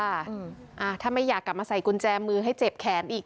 อ่าถ้าไม่อยากกลับมาใส่กุญแจมือให้เจ็บแขนอีก